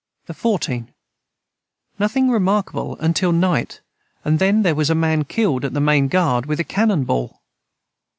the 14. Nothing remarkable untill night and then their was a man killed at the main guard with a canon Ball.